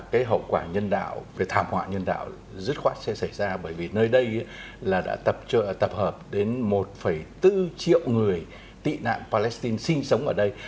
cái hậu quả nhân đạo về thảm họa nhân đạo dứt khoát sẽ xảy ra bởi vì nơi đây là đã tập hợp đến một bốn triệu người tị nạn palestine sinh sống ở đây